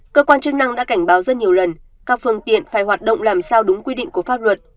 cơ quan chức năng đã cảnh báo rất nhiều lần các phương tiện phải hoạt động làm sao đúng quy định của pháp luật